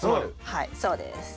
はいそうです。